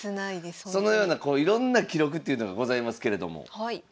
そのようなこういろんな記録っていうのがございますけれども。